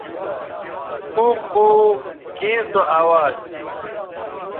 کُوکُو کیں سو اواز تھی؟